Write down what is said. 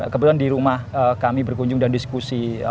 kebetulan di rumah kami berkunjung dan diskusi